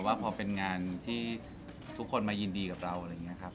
ว่าพอเป็นงานที่ทุกคนมายินดีกับเราอะไรอย่างนี้ครับ